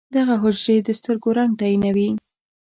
دغه حجرې د سترګو رنګ تعیینوي.